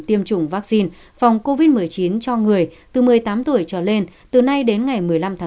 tiêm chủng vắc xin phòng covid một mươi chín cho người từ một mươi tám tuổi trở lên từ nay đến ngày một mươi năm chín